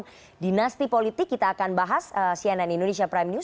dan untuk membangun dinasti politik kita akan bahas cnn indonesia prime news